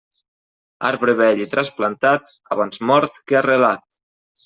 Arbre vell i trasplantat, abans mort que arrelat.